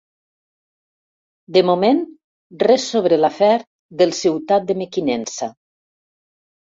De moment, res sobre l'afer del Ciutat de Mequinensa.